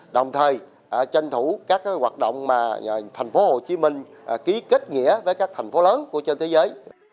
đồng thời tranh thủ các hoạt động mà thành phố hồ chí minh ký kết nghĩa với các thành phố lớn trên thế giới